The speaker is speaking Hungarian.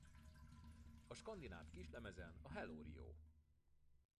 A skandináv kislemezen a Hello Rio!